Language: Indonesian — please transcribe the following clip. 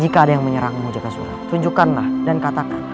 jika ada yang menyerangmu jakasura tunjukkanlah dan katakan